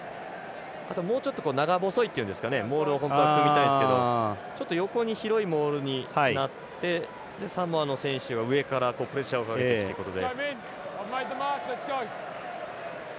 あと、もうちょっと長細いといいますかモールを組みたいですけど横に広いモールになってサモアの選手は上からプレッシャーをかけてるということで。